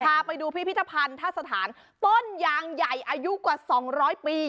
พาไปดูพิพิธภัณฑ์ทัศนฐานต้นยางใหญ่อายุกว่าสองร้อยปี